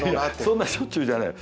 そんなしょっちゅうじゃない。